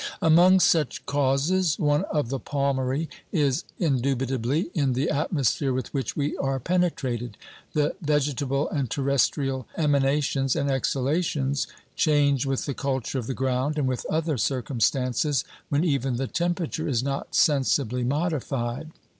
Among such causes one of the palmary is indubitably in the atmosphere with which we are penetrated. The vege table and terrestrial emanations and exhalations change with the culture of the ground and with other circumstances, when even the temperature is not sensibly modified.